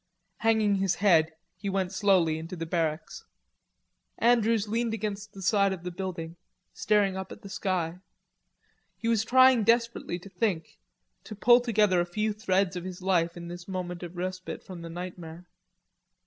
Hanging his head he went slowly into the barracks. Andrews leaned against the outside of the building, staring up at the sky. He was trying desperately to think, to pull together a few threads of his life in this moment of respite from the nightmare.